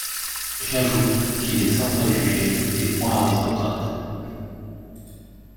J’ajoute qu’il est sans préjugés et point aristocrate.